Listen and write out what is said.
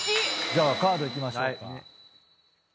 じゃあカードいきましょうか。